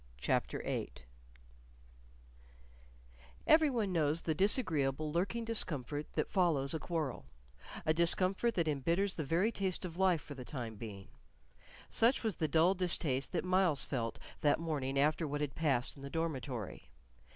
CHAPTER 8 Every one knows the disagreeable, lurking discomfort that follows a quarrel a discomfort that imbitters the very taste of life for the time being. Such was the dull distaste that Myles felt that morning after what had passed in the dormitory.